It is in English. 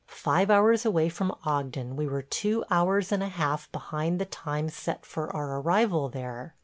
Five hours away from Ogden we were two hours and a half behind the time set for our arrival there.